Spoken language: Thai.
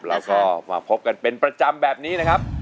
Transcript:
แล้วก็มาพบกันเป็นประจำแบบนี้นะครับ